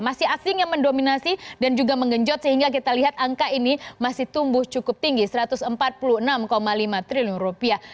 masih asing yang mendominasi dan juga menggenjot sehingga kita lihat angka ini masih tumbuh cukup tinggi satu ratus empat puluh enam lima triliun rupiah